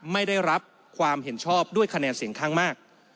ไม่ได้รับความเห็นชอบด้วยคะแนนเสียงข้างมาก